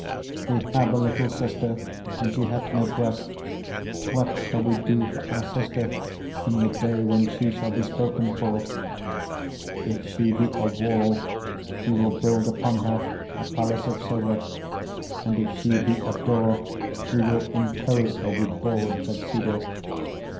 8:8 We have a little sister, and she hath no breasts: what shall we do for our sister in the day when she shall be spoken for? 8:9 If she be a wall, we will build upon her a palace of silver: and if she be a door, we will inclose her with boards of cedar.